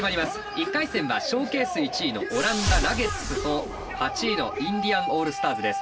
１回戦はショーケース１位のオランダラゲッズと８位のインディアン・オールスターズです。